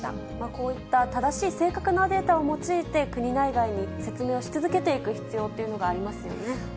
こういった正しい正確なデータを用いて国内外に説明をし続けていく必要っていうのがありますよね。